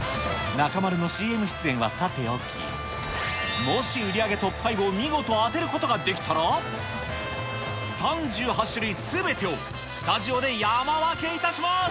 中丸のＣＭ出演はさておき、もし売り上げトップ５を見事当てることができたら、３８種類すべてをスタジオで山分けいたします。